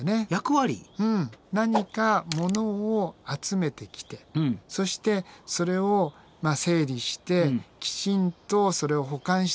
うん何かものを集めてきてそしてそれを整理してきちんとそれを保管していく。